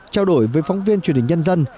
trao đổi với phóng viên truyền hình nhân dân